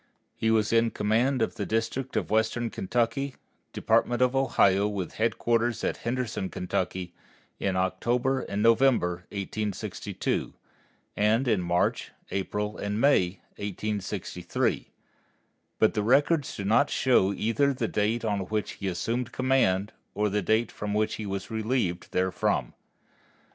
He was in command of the District of Western Kentucky, Department of Ohio, with headquarters at Henderson, Kentucky, in October and November, 1862, and in March, April, and May, 1863, but the records do not show either the date on which he assumed command or the date on which he was relieved therefrom.